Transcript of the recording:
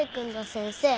先生。